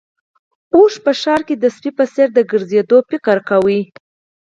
اوښ په ښار کې د سپي په څېر د ګرځېدو فکر کوي.